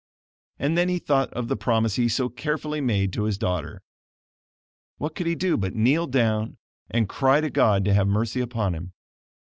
And then he thought of the promise he so carefully made to his daughter. What could he do but kneel down and cry to God to have mercy upon him?